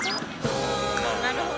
あなるほど。